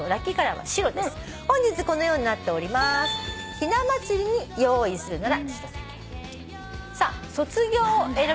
「ひな祭りに用意するなら」